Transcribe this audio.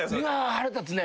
腹立つね。